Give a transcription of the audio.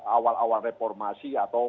awal awal reformasi atau